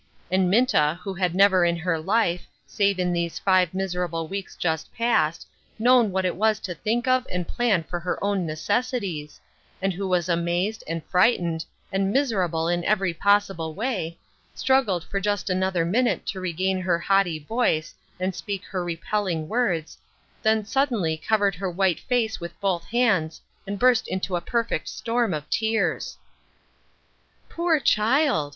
And Minta, who had never in her life, save in these five miser able weeks just past, known what it was to think of and plan for her own necessities ; and who was 320 UNDER GUIDANCE. amazed, and frightened, and miserable in every possible way, struggled for just another minute to regain her haughty voice and speak her repelling words, then suddenly covered her white face with both hands, and burst into a perfect storm of tears. " Poor child